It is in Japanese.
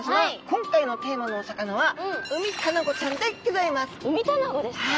今回のテーマのお魚はウミタナゴですか？